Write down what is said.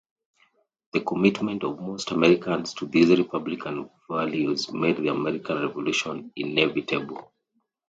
The commitment of most Americans to these republican values made the American Revolution inevitable.